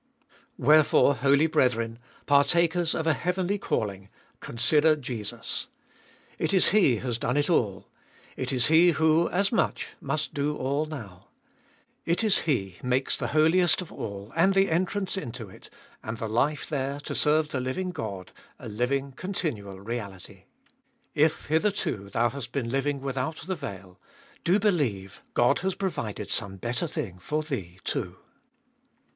1. Wherefore holy brethren, partakers of a heavenly calling, consider Jesus. It is He has done all : it is He who, as much, must do all now. It is He makes the Holiest of All, and the entrance into it, and the life there to serue the living God, a living continual reality. If hitherto thou hast been living without the veil, do believe Bod has provided some better thing for thee too.